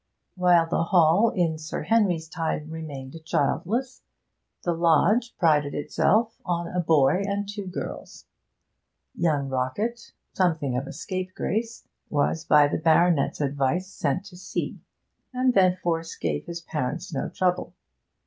While the Hall, in Sir Henry's time, remained childless, the lodge prided itself on a boy and two girls. Young Rockett, something of a scapegrace, was by the baronet's advice sent to sea, and thenceforth gave his parents no trouble.